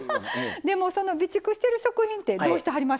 でもその備蓄してる食品ってどうしてはりますか？